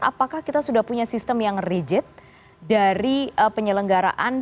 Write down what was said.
apakah kita sudah punya sistem yang rigid dari penyelenggaraan